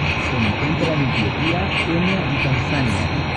Se encuentra en Etiopía, Kenia y Tanzania.